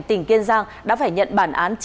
tỉnh kiên giang đã phải nhận bản án